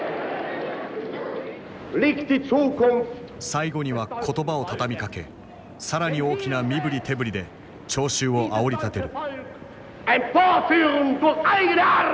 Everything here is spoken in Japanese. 最後には言葉を畳みかけ更に大きな身振り手振りで聴衆をあおりたてる。